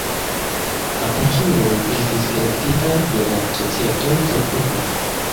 La konsuloj estis elektitaj de la societoj kaj grupoj.